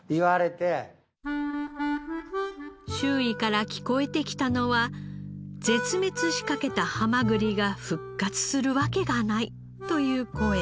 周囲から聞こえてきたのは絶滅しかけたハマグリが復活するわけがないという声。